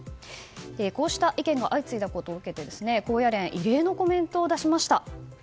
こうした意見が相次いだことを受けて高野連は異例のコメントを出しました。